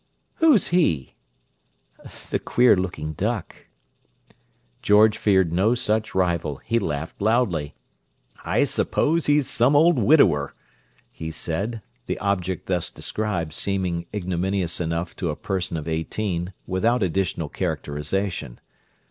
"Who's 'he'?" "The queer looking duck." George feared no such rival; he laughed loudly. "I s'pose he's some old widower!" he said, the object thus described seeming ignominious enough to a person of eighteen, without additional characterization.